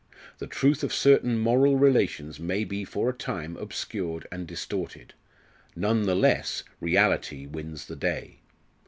The truth of certain moral relations may be for a time obscured and distorted; none the less, reality wins the day.